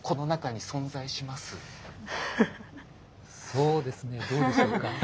そうですねどうでしょうか？